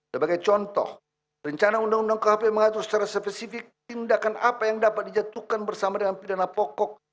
sebagai contoh rencana undang undang khp mengatur secara spesifik tindakan apa yang dapat dijatuhkan bersama dengan pidana pokok